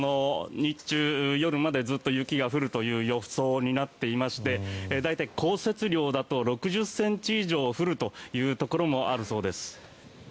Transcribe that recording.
日中、夜までずっと雪が降るという予想になっていまして大体、降雪量だと６０ｃｍ以上降るというところもあるそうです。